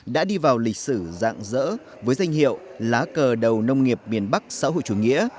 đã đi vào lịch sử dạng dỡ với danh hiệu lá cờ đầu nông nghiệp miền bắc xã hội chủ nghĩa